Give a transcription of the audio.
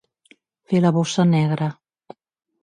Fer la bossa negra.